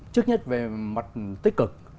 trước nhất về mặt tích cực